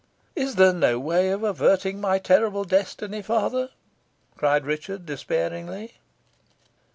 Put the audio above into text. "Is there no way of averting my terrible destiny, father?" cried Richard, despairingly.